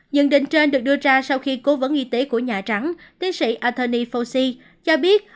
nhận định trên được đưa ra sau khi cố vấn y tế của nhà trắng tiến sĩ anthony fauci cho biết